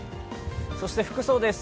そして服装です。